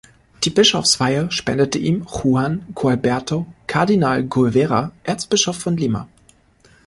Die Bischofsweihe spendete ihm Juan Gualberto Kardinal Guevara, Erzbischof von Lima.